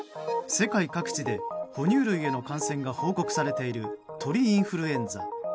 世界各地で哺乳類への感染が報告されている鳥インフルエンザ。